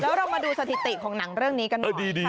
แล้วเรามาดูสถิติของหนังเรื่องนี้กันหน่อยดี